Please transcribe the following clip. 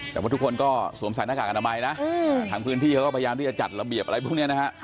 แต่ว่าทุกคนก็สวมใส่หน้ากากอนามัยนะทางพื้นที่เขาก็พยายามที่จะจัดระเบียบอะไรพวกนี้นะฮะ